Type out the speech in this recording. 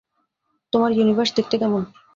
তোমার ইউনিভার্স দেখতে কেমন?